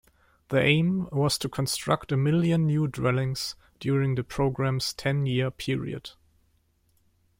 The aim was to construct a million new dwellings during the programme's ten-year period.